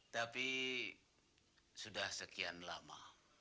tapi sudah sekian lama